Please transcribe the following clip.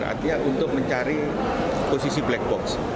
artinya untuk mencari posisi black box